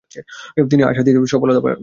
তিনি আশাতীত সফলতা পান।